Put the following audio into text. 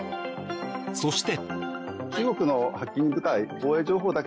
そして。